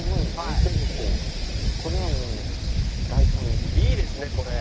いいですねこれ！